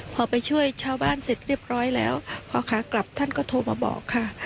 พอไปช่วยชาวบ้านเสร็จเรียบร้อยแล้วพ่อค้ากลับท่านก็โทรมาบอกค่ะ